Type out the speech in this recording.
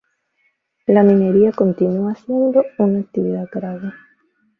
La minería continúa siendo una actividad clave.